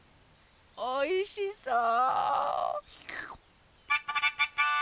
おいしそう！